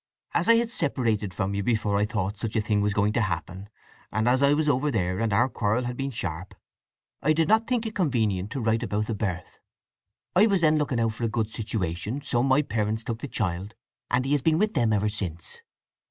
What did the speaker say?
As I had separated from you before I thought such a thing was going to happen, and I was over there, and our quarrel had been sharp, I did not think it convenient to write about the birth. I was then looking out for a good situation, so my parents took the child, and he has been with them ever since.